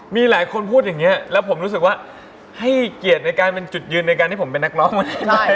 มีหลายคนพูดอย่างนี้แล้วผมรู้สึกว่าให้เกียรติในการเป็นจุดยืนในการที่ผมเป็นนักร้องไม่ได้